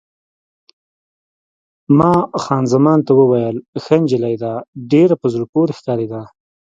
ما خان زمان ته وویل: ښه نجلۍ ده، ډېره په زړه پورې ښکارېده.